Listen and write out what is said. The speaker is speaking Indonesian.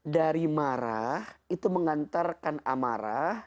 dari marah itu mengantarkan amarah